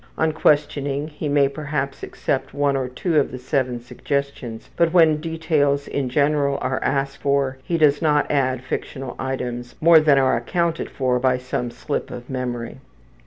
On questioning he may perhaps accept one or two of the seven suggestions, but when details in general are asked for he does not add fictional items more than are accounted for by some little slip of memory.